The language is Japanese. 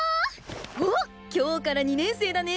おっ今日から２年生だね？